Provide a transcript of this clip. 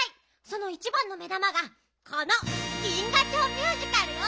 そのいちばんの目玉がこの「銀河町ミュージカル」よ！